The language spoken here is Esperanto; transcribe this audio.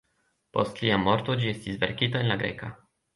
Post lia morto ĝi estis verkita en la greka.